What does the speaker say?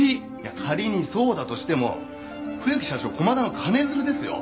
仮にそうだとしても冬木社長駒田の金づるですよ？